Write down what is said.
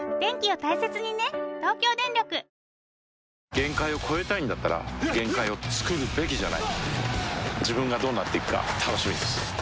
限界を越えたいんだったら限界をつくるべきじゃない自分がどうなっていくか楽しみです